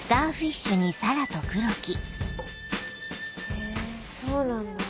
へぇそうなんだ